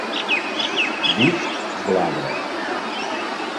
Disc glabre.